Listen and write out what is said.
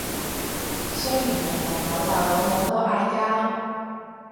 雖然人人老豆老母都嗌交